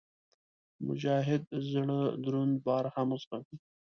مجاهد د زړه دروند بار هم زغمي.